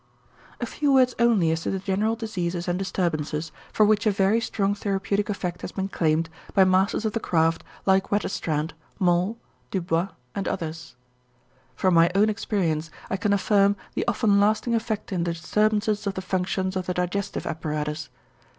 A few words only as to the general diseases and disturbances for which a very strong therapeutic effect has been claimed by masters of the craft like Wetterstrand, Moll, Dubois, and others. From my own experience I can affirm the often lasting effect in the disturbances of the functions of the digestive apparatus.